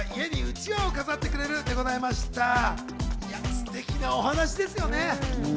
ステキなお話ですよね。